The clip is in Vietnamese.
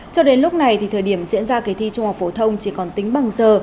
cho đến lúc này thì thời điểm diễn ra kỳ thi trung học phổ thông chỉ còn tính bằng giờ